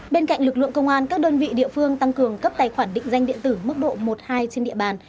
bên cạnh lực lượng công an các đơn vị địa phương tăng cường cấp tài khoản định danh điện tử mức độ một hai trên địa bàn